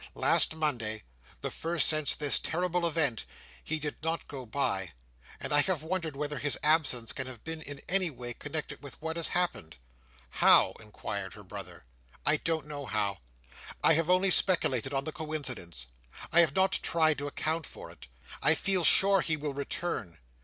Last Monday—the first since this terrible event—he did not go by; and I have wondered whether his absence can have been in any way connected with what has happened." "How?" inquired her brother. "I don't know how. I have only speculated on the coincidence; I have not tried to account for it. I feel sure he will return.